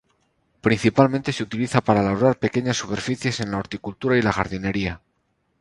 Principalmente se utiliza para labrar pequeñas superficies en la horticultura y la jardinería.